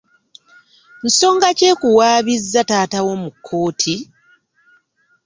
Nsonga ki ekuwaabizza taata wo mu kkooti?